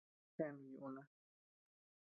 Jeanu yuna.